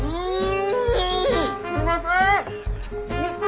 うん。